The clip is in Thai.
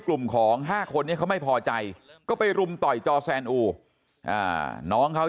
กลุ่มของ๕คนนี้เขาไม่พอใจก็ไปรุมต่อยจอแซนอูน้องเขา